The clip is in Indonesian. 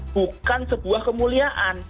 bukan sebuah kemuliaan